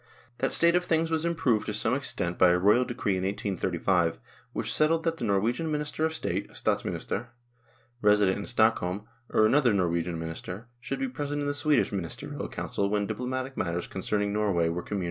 That state of things was improved to some extent by a royal decree in 1835, which settled that the Norwegian Minister of State (Statsminister) resident in Stockholm, or another Norwegian minister, should be present in the Swedish Ministerial Council when diplomatic matters concern ing Norway were communicated to the King.